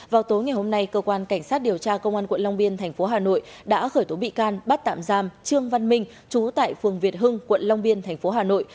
vào tối ngày hôm nay cơ quan cảnh sát điều tra công an quận long biên thành phố hà nội đã khởi tố bị can bắt tạm giam trương văn minh chú tại phường việt hưng quận long biên thành phố hà nội